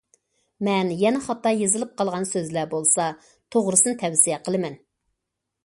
مەن يەنە خاتا يېزىلىپ قالغان سۆزلەر بولسا توغرىسىنى تەۋسىيە قىلىمەن.